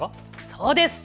そうです。